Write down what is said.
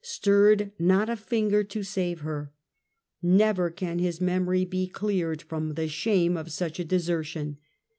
stirred not a finger to save her ; never can his memory be cleared from the shame of such a desertion.